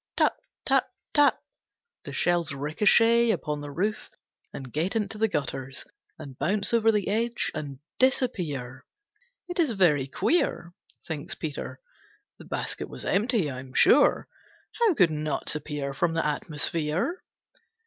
Tap! Tap! Tap! The shells ricochet upon the roof, and get into the gutters, and bounce over the edge and disappear. "It is very queer," thinks Peter, "the basket was empty, I'm sure. How could nuts appear from the atmosphere?"